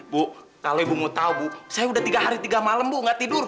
bu kalau ibu mau tahu bu saya udah tiga hari tiga malam bu nggak tidur